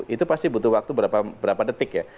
itu pasti butuh waktu berapa detik ya